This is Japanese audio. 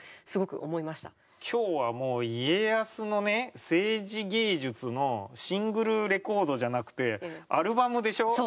今日はもう家康のね政治芸術のシングルレコードじゃなくてアルバムでしょう？